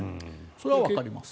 それはわかります。